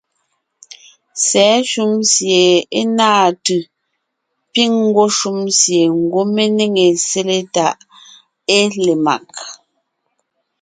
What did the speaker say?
Sɛ̌ shúm sie é náa tʉ̀ piŋ ńgwɔ́ shúm sie ńgwɔ́ mé néŋe sele tà é le mag.